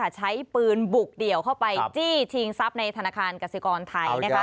ใช้ปืนบุกเดี่ยวเข้าไปจี้ชิงทรัพย์ในธนาคารกสิกรไทย